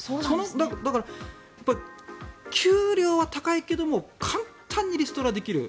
だから、給料は高いけども簡単にリストラできる。